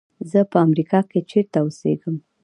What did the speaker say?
زه په امریکا کې چېرته اوسېږم.